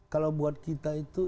kalau buat kita itu